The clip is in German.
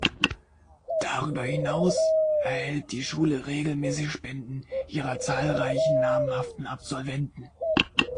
Darüber hinaus erhält die Schule regelmäßig Spenden ihrer zahlreichen namhaften Absolventen.